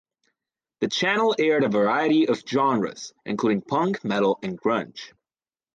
The channel aired a variety of genres, including punk, metal, and grunge.